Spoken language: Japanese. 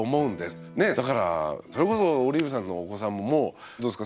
ねえだからそれこそオリーブさんのお子さんもどうですか？